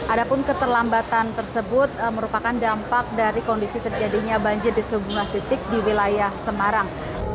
adapun keterlambatan tersebut merupakan dampak dari kondisi terjadinya banjir di sejumlah titik di wilayah semarang